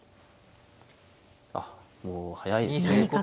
あっもう速いですね。